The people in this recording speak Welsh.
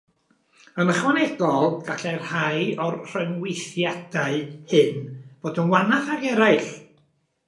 Yn ychwanegol, gallai rhai o'r rhyngweithiadau hyn fod yn wannach nag eraill.